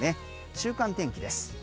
週間天気です。